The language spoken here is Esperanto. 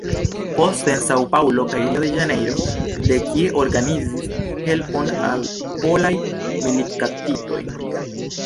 Poste en San-Paŭlo kaj Rio-de-Ĵanejro, de kie organizis helpon al polaj militkaptitoj.